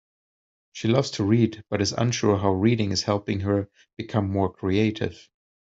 She loves to read, but is unsure how reading is helping her become more creative.